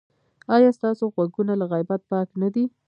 ایا ستاسو غوږونه له غیبت پاک نه دي؟